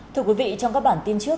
thưa quý vị trong các bản tin trước